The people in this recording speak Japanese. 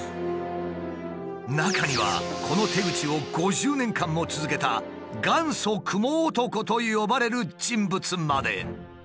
中にはこの手口を５０年間も続けた「元祖クモ男」と呼ばれる人物まで。